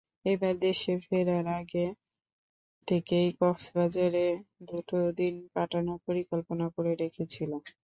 এবার দেশে ফেরার আগে থেকেই কক্সবাজারে দুটো দিন কাটানোর পরিকল্পনা করে রেখেছিল।